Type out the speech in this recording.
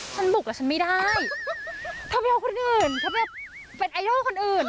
ฉันบุกแล้วฉันไม่ได้เธอไม่เอาคนอื่นเธอไม่เอาเป็นไอดอลคนอื่น